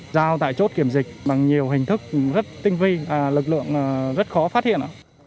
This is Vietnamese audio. giao tại chốt kiểm dịch bằng nhiều hình thức rất tinh vi lực lượng rất khó phát hiện